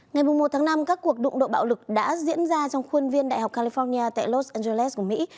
ngày một tháng năm các cuộc đụng độ bạo lực đã diễn ra trong khuôn viên đại học california tại los angeles của mỹ